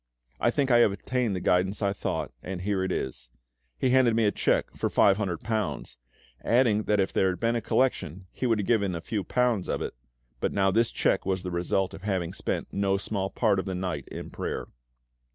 I think I have obtained the guidance I sought, and here it is." He handed me a cheque for £500, adding that if there had been a collection he would have given a few pounds to it, but now this cheque was the result of having spent no small part of the night in prayer.